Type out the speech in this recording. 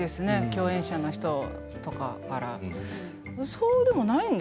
共演者の人とかから。